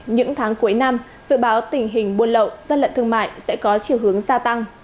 những tháng cuối năm dự báo tình hình buôn lậu dân lận thương mại sẽ có chiều hướng gia tăng